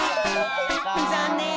ざんねん！